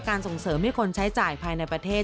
ส่งเสริมให้คนใช้จ่ายภายในประเทศ